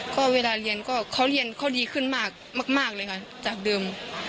ก็เวลาเรียนก็เขาเรียนเขาดีขึ้นมากมากเลยค่ะจากเดิม